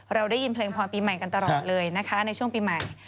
เราได้ยินเพลงพรปีใหม่กันตลอดเลยนะคะในช่วงปีใหม่